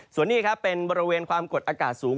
ส่วนนี้ครับเป็นบริเวณความกดอากาศสูง